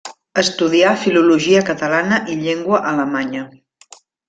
Estudià Filologia Catalana i Llengua Alemanya.